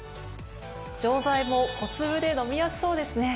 錠剤も小粒で飲みやすそうですね。